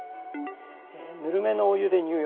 ぬるめのお湯で入浴する。